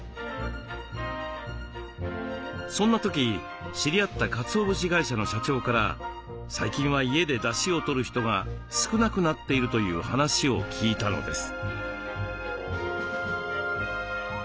そんな時知り合ったかつお節会社の社長から最近は家でだしをとる人が少なくなっているという話を聞いたのです。